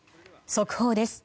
速報です。